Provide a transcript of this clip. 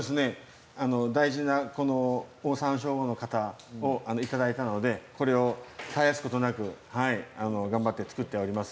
大事なオオサンショウウオの型をいただいたのでこれを絶やすことなく頑張って作っております。